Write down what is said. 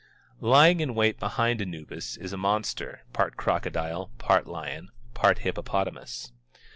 Lying in wait behind Anubis is a monster, part crocodile, part lion, part hippopotamus.